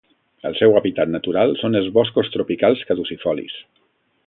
El seu hàbitat natural són els boscos tropicals caducifolis.